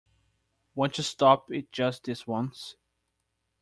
Won't you stop it just this once?